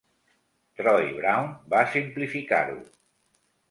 Troy Brown va simplificar-ho.